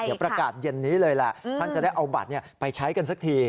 เดี๋ยวประกาศเย็นนี้เลยแหละท่านจะได้เอาบัตรไปใช้กันสักที